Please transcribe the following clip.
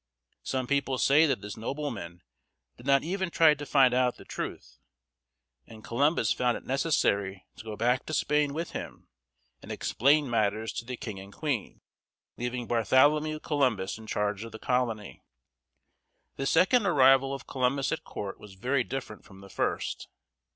Some people say that this nobleman did not even try to find out the truth, and Columbus found it necessary to go back to Spain with him and explain matters to the king and queen, leaving Bartholomew Columbus in charge of the colony. The second arrival of Columbus at court was very different from the first.